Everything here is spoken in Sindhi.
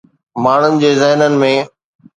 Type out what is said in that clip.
ماڻهن جي ذهنن ۾.